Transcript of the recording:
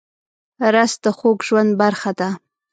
رس د خوږ ژوند برخه ده